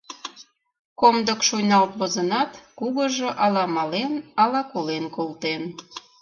Комдык шуйналт возынат, кугыжо ала мален, ала колен колтен.